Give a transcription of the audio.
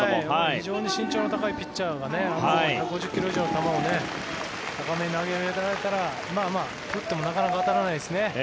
非常に身長の高いピッチャーが１５０ｋｍ以上の球を高めに投げられたら、振ってもなかなか当たらないですね。